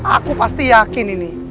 aku pasti yakin ini